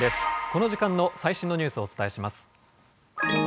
この時間の最新のニュースをお伝えします。